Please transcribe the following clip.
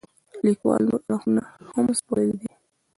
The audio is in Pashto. لیکوال نور اړخونه هم سپړلي دي.